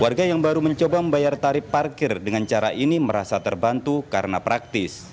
warga yang baru mencoba membayar tarif parkir dengan cara ini merasa terbantu karena praktis